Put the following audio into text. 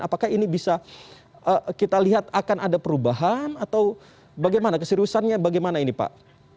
apakah ini bisa kita lihat akan ada perubahan atau bagaimana keseriusannya bagaimana ini pak